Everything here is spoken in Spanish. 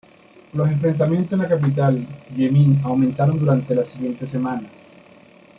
Los enfrentamientos en la capital yemení aumentaron durante la siguiente semana.